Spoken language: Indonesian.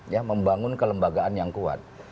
ya membangun kelembagaan yang kuat